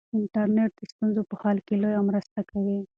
انټرنیټ د ستونزو په حل کې لویه مرسته کوي.